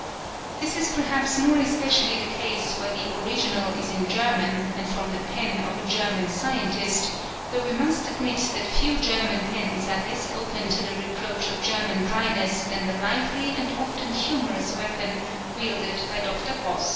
This is perhaps more especially the case where the original is in German, and from the pen of a German scientist, though we must admit that few German pens are less open to the reproach of _ German dryness than the lively and often humorous weapon wielded by _ Dr. Gross.